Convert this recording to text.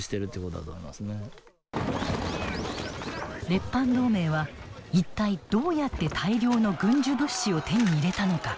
列藩同盟は一体どうやって大量の軍需物資を手に入れたのか。